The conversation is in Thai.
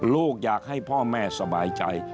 อยากให้พ่อแม่สบายใจ